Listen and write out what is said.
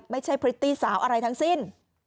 ไม่ใช่พฤติสาวอะไรทั้งสิ้น